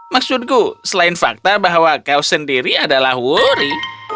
maksudku selain fakta bahwa kau sendiri adalah wori